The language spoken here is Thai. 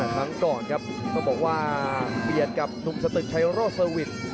ครั้งตอนครับไปดกับนุ่มสตึกชัยแรกโรศวิทย์